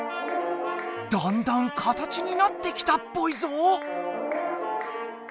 だんだん形になってきたっぽいぞ。